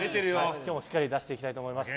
今日もしっかり出していきたいと思います。